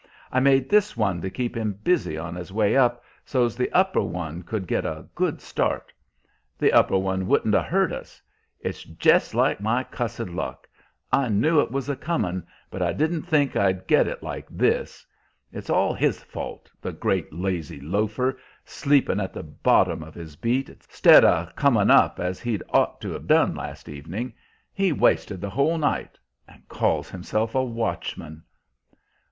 I made this one to keep him busy on his way up, so's the upper one could get a good start. The upper one wouldn't 'a' hurt us. It's jest like my cussed luck! I knew it was a comin', but I didn't think I'd get it like this. It's all his fault, the great lazy loafer, sleepin' at the bottom of his beat, 'stead o' comin' up as he'd ought to have done last evening. He wasted the whole night, and calls himself a watchman!"